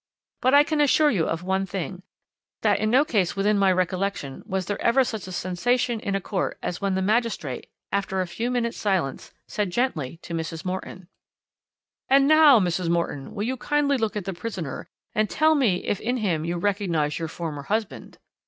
But I can assure you of one thing, that in no case within my recollection was there ever such a sensation in a court as when the magistrate, after a few minutes' silence, said gently to Mrs. Morton: "'And now, Mrs. Morton, will you kindly look at the prisoner, and tell me if in him you recognize your former husband?'